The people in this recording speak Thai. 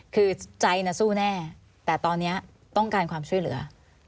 คือใจน่ะสู้แน่แต่ตอนนี้ต้องการความช่วยเหลือ